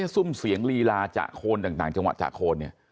ซุ่มเสียงลีลาจากโคนต่างจังหวัดจากโคนเนี่ย